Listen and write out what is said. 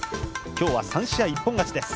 今日は３試合一本勝ちです。